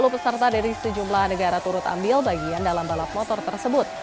satu ratus dua puluh peserta dari sejumlah negara turut ambil bagian dalam balap motor tersebut